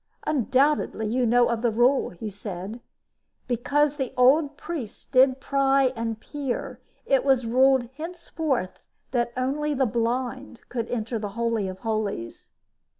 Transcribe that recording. "Undoubtedly you know of the rule," he said. "Because the old priests did pry and peer, it was ruled henceforth that only the blind could enter the Holy of Holies."